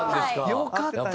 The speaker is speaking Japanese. よかった！